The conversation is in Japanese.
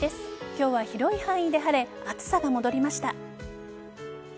今日は広い範囲で晴れ暑さが戻りました。